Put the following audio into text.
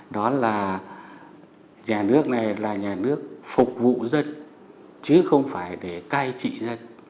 đó là nhà nước này là nhà nước phục vụ dân chứ không phải để cai trị dân